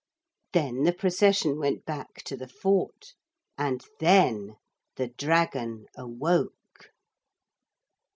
Then the procession went back to the fort, and then the dragon awoke.